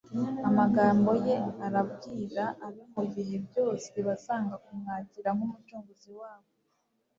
Amagambo ye arabwira abe mu bihe byose bazanga kumwakira nk'Umucunguzi wabo.